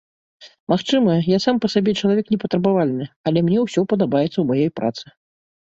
Магчыма, я сам па сабе чалавек непатрабавальны, але мне ўсё падабаецца ў маёй працы.